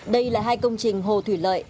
đây là hai công trình hồ thủy lợi